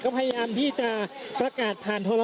คุณภูริพัฒน์บุญนิน